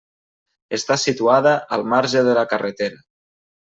Està situada al marge de la carretera.